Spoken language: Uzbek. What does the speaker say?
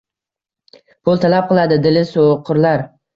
Pul talab qiladi dili soʻqirlar